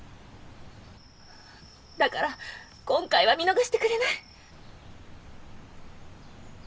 だから今回は見逃してくれない？